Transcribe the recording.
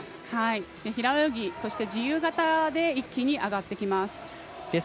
平泳ぎ、そして自由形で一気に上がってきます。